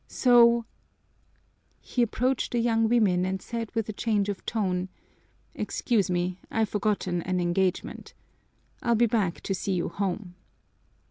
So " He approached the young women and said with a change of tone, "Excuse me, I've forgotten an engagement. I'll be back to see you home."